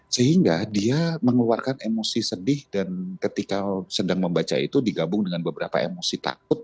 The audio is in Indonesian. sehingga dia mengeluarkan emosi sedih dan ketika sedang membaca itu digabung dengan beberapa emosi takut